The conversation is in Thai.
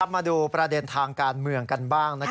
มาดูประเด็นทางการเมืองกันบ้าง